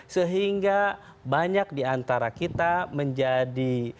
sehingga banyak diantara kita menjadi